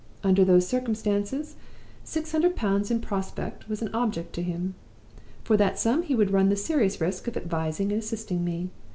Under those circumstances, six hundred pounds in prospect was an object to him. For that sum he would run the serious risk of advising and assisting me.